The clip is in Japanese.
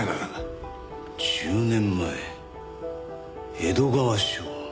１０年前江戸川署。